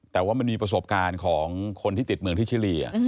แต่ว่ามันมีประสบการณ์ของคนที่ติดเมืองที่ชิลี